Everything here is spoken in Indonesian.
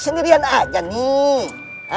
sendirian aja nih